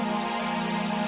aku juga merasa percaya